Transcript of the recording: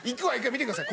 見てください。